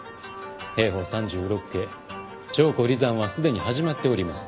『兵法三十六計』「調虎離山」はすでに始まっております。